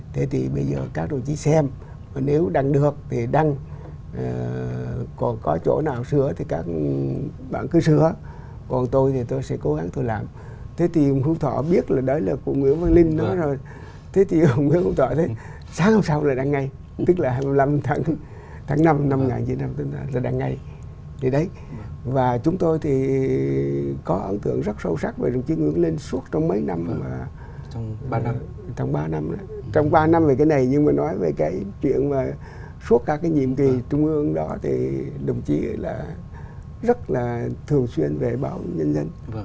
trong ba năm về cái này nhưng mà nói về cái chuyện suốt các nhiệm kỳ trung ương đó thì đồng chí rất là thường xuyên về báo nhân dân